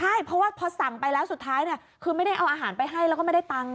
ใช่เพราะว่าพอสั่งไปแล้วสุดท้ายเนี่ยคือไม่ได้เอาอาหารไปให้แล้วก็ไม่ได้ตังค์